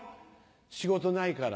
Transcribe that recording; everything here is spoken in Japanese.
仕事ないから。